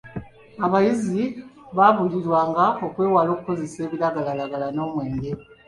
Abayizi baabuulirirwa okwewala okukozesa ebiragalalagala n'omwenge.